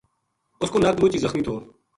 اس کو نک مُچ ہی زخمی تھو